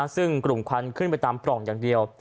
ซึ่งกลุ่มควันขึ้นไปตามปล่องอย่างเดียว